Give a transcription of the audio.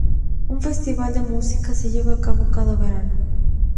Un festival de música se lleva a cabo cada verano.